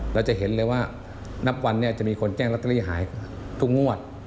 เราจะเห็นเลยว่านับวันนี้จะมีคนแจ้งลอตเตอรี่หายทุกงวด